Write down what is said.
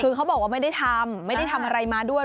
คือเขาบอกว่าไม่ได้ทำไม่ได้ทำอะไรมาด้วย